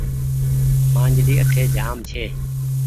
مآنجلي اٺي جآم ڇي۔